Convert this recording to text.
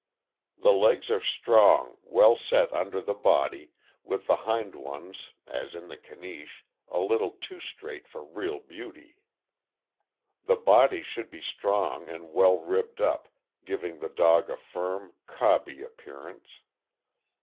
The legs are strong, well set under the body, with the hind ones, as in the Caniche, a little too straight for real beauty. The body should be strong and well ribbed up, giving the dog a firm, cobby appearance.